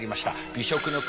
美食の国